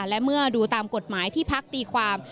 และเมื่อดูตามกฎหมายที่พักตีความ